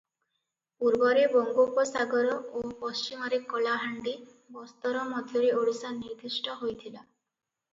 ପୂର୍ବରେ ବଙ୍ଗୋପସାଗର ଓ ପଶ୍ଚିମରେ କଳାହାଣ୍ଡି ବସ୍ତର ମଧ୍ୟରେ ଓଡ଼ିଶା ନିର୍ଦ୍ଦିଷ୍ଟ ହୋଇଥିଲା ।